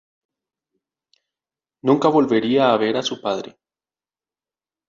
Nunca volvería a ver a su padre.